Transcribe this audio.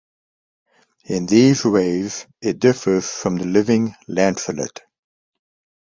In these ways, it differs from the living lancelet.